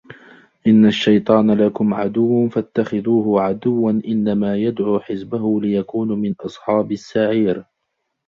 إن الشيطان لكم عدو فاتخذوه عدوا إنما يدعو حزبه ليكونوا من أصحاب السعير